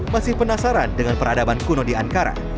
masih penasaran dengan peradaban kuno di ankara